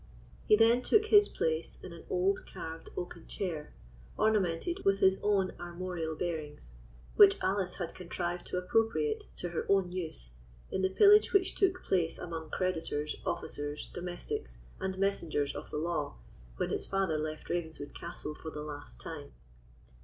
He then took his place in an old carved oaken chair, ornamented with his own armorial bearings, which Alice had contrived to appropriate to her own use in the pillage which took place among creditors, officers, domestics, and messengers of the law when his father left Ravenswood Castle for the last time.